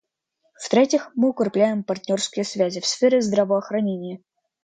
В-третьих, мы укрепляем партнерские связи в сфере здравоохранения.